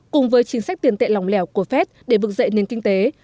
cùng với chính sách tiền tệ lòng lẻo của fed để vực dậy nền kinh tế